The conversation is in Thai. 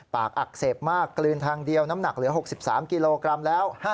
อักเสบมากกลืนทางเดียวน้ำหนักเหลือ๖๓กิโลกรัมแล้ว